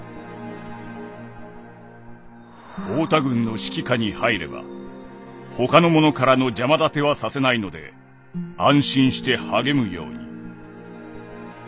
「太田軍の指揮下に入れば他の者からの邪魔立てはさせないので安心して励むように」。